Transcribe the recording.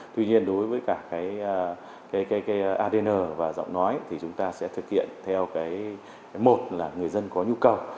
các adn và giọng nói thì chúng ta sẽ thực hiện theo một là người dân có nhu cầu